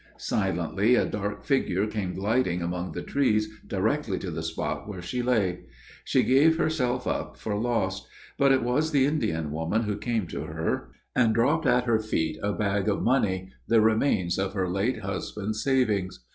Silently a dark figure came gliding among the trees directly to the spot where she lay. She gave herself up for lost; but it was the Indian woman, who came to her, and dropped at her feet a bag of money, the remains of her late husband's savings.